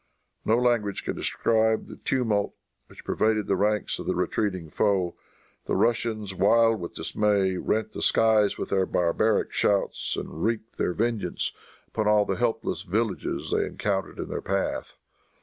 No language can describe the tumult which pervaded the ranks of the retreating foe. The Russians, wild with dismay, rent the skies with their barbaric shouts, and wreaked their vengeance upon all the helpless villages they encountered in their path.